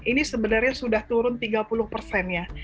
ini sebenarnya sudah turun tiga puluh persen ya